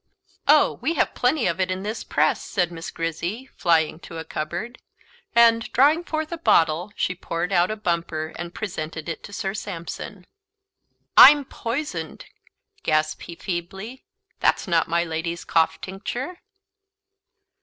"Oh, we have plenty of it in this press," said Miss Grizzy, flying to a cupboard, and, drawing forth a bottle, she poured out a bumper, and presented it to Sir Sampson. "I'm poisoned!" gasped he feebly; "that's not my lady's cough tincture."